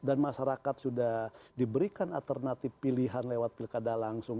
dan masyarakat sudah diberikan alternatif pilihan lewat pilkada langsung